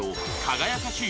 輝かしい